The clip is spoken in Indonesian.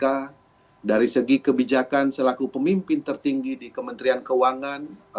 karena dari segi kebijakan selaku pemimpin tertinggi di kementerian keuangan